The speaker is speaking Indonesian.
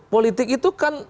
politik itu kan